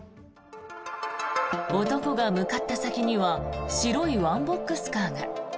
男が向かった先には白いワンボックスカーが。